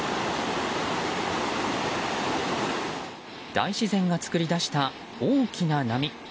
大自然が作り出した大きな波。